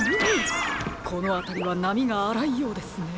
このあたりはなみがあらいようですね。